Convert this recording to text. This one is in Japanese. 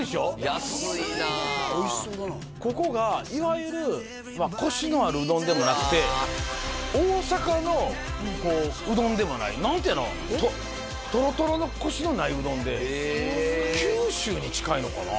安いなここがいわゆるコシのあるうどんでもなくて大阪のうどんでもない何ていうのトロトロのコシのないうどんでへえ九州に近いのかな？